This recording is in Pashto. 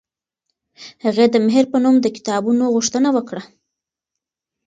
هغې د مهر په نوم د کتابونو غوښتنه وکړه.